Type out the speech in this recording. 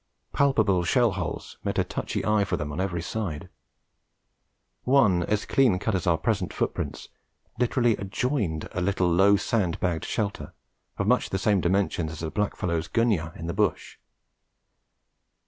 Palpable shell holes met a touchy eye for them on every side; one, as clean cut as our present footprints, literally adjoined a little low sand bagged shelter, of much the same dimensions as a blackfellow's gunyah in the bush.